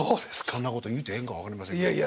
そんなこと言うてええんか分かりませんけど。